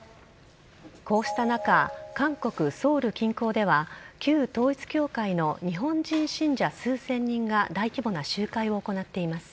こうした中韓国ソウル近郊では旧統一教会の日本人信者数千人が大規模な集会を行っています。